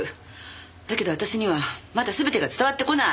だけど私にはまだ全てが伝わってこない！